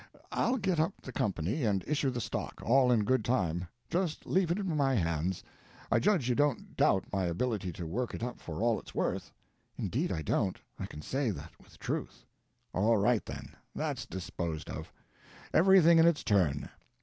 I'll get up the company and issue the stock, all in good time. Just leave it in my hands. I judge you don't doubt my ability to work it up for all it is worth." "Indeed I don't. I can say that with truth." "All right, then. That's disposed of. Everything in its turn.